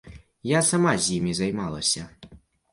Я сама з імі займалася.